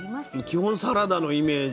基本サラダのイメージ？